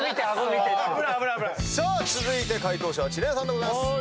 続いて解答者は知念さんでございます。